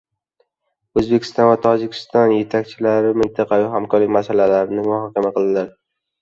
O‘zbekiston va Tojikiston yetakchilari mintaqaviy hamkorlik masalalarini muhokama qildilar